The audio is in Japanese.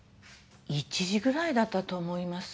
１時くらいだったと思います。